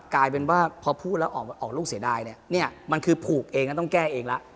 กลายเป็นว่าพอพูดแล้วออกลูกเสียดายเนี่ยเนี่ยมันคือผูกเองแล้วต้องแก้เองละ